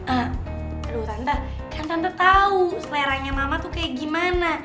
aduh tante kan tante tau seleranya mama tuh kayak gimana